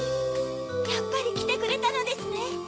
やっぱりきてくれたのですね！